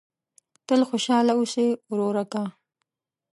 تل خوشاله اوسه ورورکه !